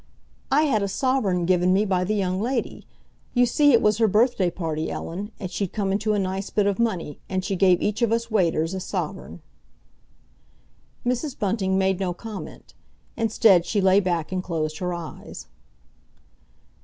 "I had a sovereign given me by the young lady. You see, it was her birthday party, Ellen, and she'd come into a nice bit of money, and she gave each of us waiters a sovereign." Mrs. Bunting made no comment. Instead, she lay back and closed her eyes.